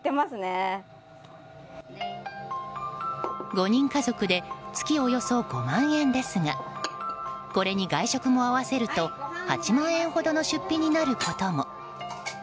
５人家族で月およそ５万円ですがこれに外食も合わせると８万円ほどの出費になることも。